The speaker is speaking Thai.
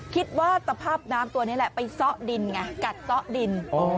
คิดว่าตะพาบน้ำตัวนี้ไปซ่อดินไงกัดซ่อดิน